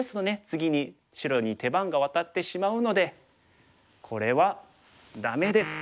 次に白に手番が渡ってしまうのでこれはダメです！